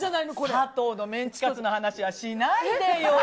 さとうのメンチカツの話はしないでよ。